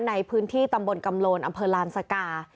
ในพื้นที่ตำบลกำโลนอำเภอลานสกา